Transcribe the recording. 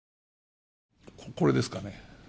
これですかね？